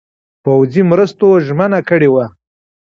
پوځي مرستو ژمنه کړې وه.